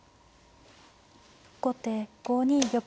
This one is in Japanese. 後手５二玉。